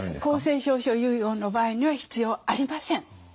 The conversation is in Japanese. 公正証書遺言の場合には必要ありません。